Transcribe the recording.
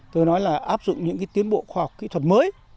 tôi nói là áp dụng những tiến bộ khoa học kỹ thuật mới